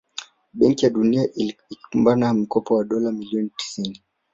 Benki ya Dunia ikaubana mkopo wa dola milioni tisini